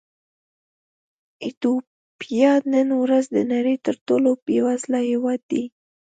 ایتوپیا نن ورځ د نړۍ تر ټولو بېوزله هېواد دی.